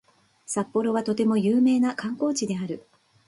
札幌はとても有名な観光地である